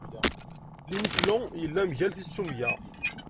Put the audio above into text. Linclon yella mgal tissumga.